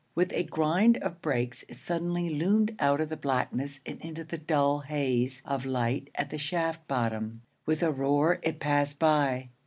With a grind of brakes it suddenly loomed out of the blackness and into the dull haze of light at the shaft bottom. With a roar it passed by.